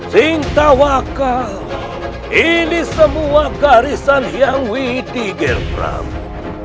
sampura sudger prabu